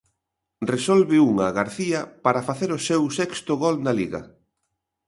Resolve unha García para facer o seu sexto gol na Liga.